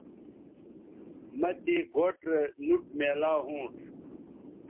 مہ تے گوٹھ رے نوٹ میلاو ھونݜ